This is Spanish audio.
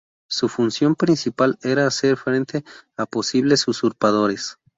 Su función principal era hacer frente a posibles usurpadores.